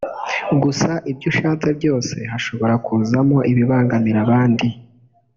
gusa ibyo ushatse byose hashobora kuzamo ibibangamira abandi